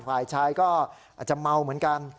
ฝ่ายชายก็อาจจะเมาเหมือนกัน